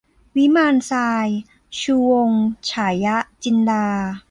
วิมานทราย - ชูวงศ์ ฉายะจินดา